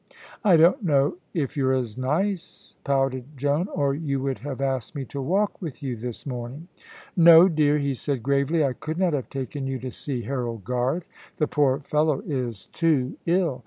"I don't know if you're as nice," pouted Joan, "or you would have asked me to walk with you this morning." "No, dear," he said, gravely: "I could not have taken you to see Harold Garth. The poor fellow is too ill.